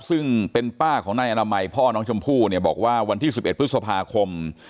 ซึ่งเป็นป้าของนายอนามัยพ่อน้องชมพู่เนี่ยบอกว่าวันที่๑๑พฤษภาคม